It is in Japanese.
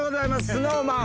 ＳｎｏｗＭａｎ